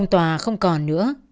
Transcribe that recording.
ông tòa không còn nữa